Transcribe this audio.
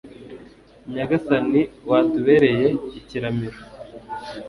nyagasani watubereye ikiramiro